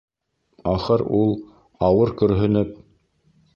Ахыр ул, ауыр көрһөнөп: